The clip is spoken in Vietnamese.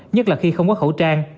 nhất là khi không có khẩu trang